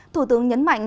thủ tướng nhấn mạnh